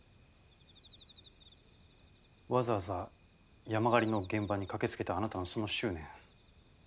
わざわざ山狩りの現場に駆けつけたあなたのその執念。